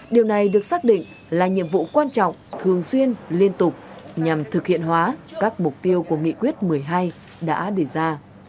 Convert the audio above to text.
điều này được xác định là nhiệm vụ quan trọng thường xuyên liên tục nhằm thực hiện hóa các mục tiêu của nghị quyết một mươi hai đã đề ra